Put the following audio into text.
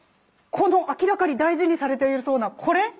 この明らかに大事にされてそうなこれ？